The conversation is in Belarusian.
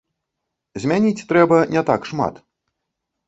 Змяніць трэба не так шмат.